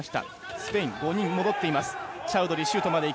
スペイン、５人戻っています。